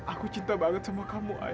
aku cinta banget sama kamu